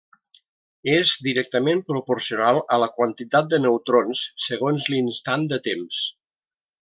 És directament proporcional a la quantitat de neutrons segons l'instant de temps.